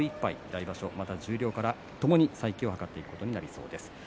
来場所はまた十両からともに再起を図っていくことになります。